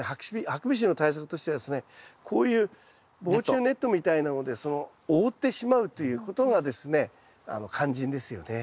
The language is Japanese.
ハクビシンの対策としてはですねこういう防虫ネットみたいなので覆ってしまうということがですね肝心ですよね。